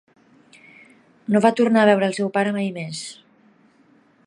No va tornar a veure el seu pare mai més.